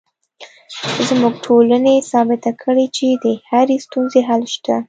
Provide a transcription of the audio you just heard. زموږ ټولنې ثابته کړې چې د هرې ستونزې حل شته